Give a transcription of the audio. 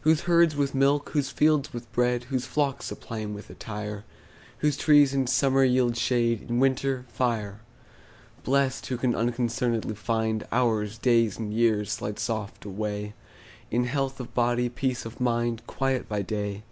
Whose herds with milk, whose fields with bread, Whose flocks supply him with attire; Whose trees in summer yield shade, In winter, fire. Blest, who can unconcern'dly find Hours, days, and years, slide soft away In health of body, peace of mind, Quiet by day.